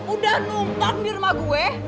udah numpan di rumah gue